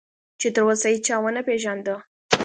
چې تراوسه هیچا ونه پېژانده.